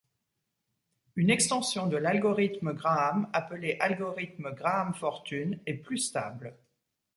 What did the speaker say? Une extension de l'algorithme Graham, appelé algorithme Graham-Fortune est plus stable.